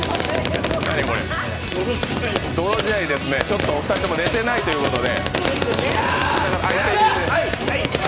泥仕合ですね、お二人とも寝てないということで。